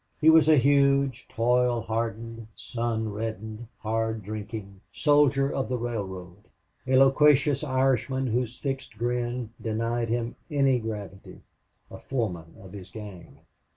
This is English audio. He was a huge, toil hardened, sun reddened, hard drinking soldier of the railroad, a loquacious Irishman whose fixed grin denied him any gravity, a foreman of his gang.